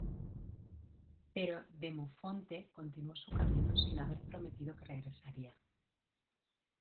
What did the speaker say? Pero Demofonte continuó su camino sin haber prometido que regresaría.